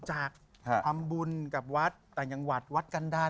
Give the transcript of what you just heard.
แจ๊คจิลวันนี้เขาสองคนไม่ได้มามูเรื่องกุมาทองอย่างเดียวแต่ว่าจะมาเล่าเรื่องประสบการณ์นะครับ